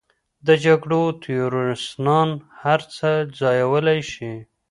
د جګړو تیورسنان هر څه ځایولی شي.